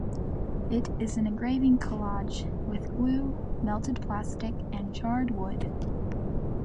It is an engraving collage, with glue, melted plastic and charred wood.